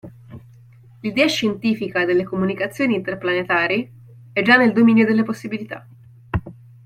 L'idea scientifica delle comunicazioni interplanetari è già nel dominio delle possibilità.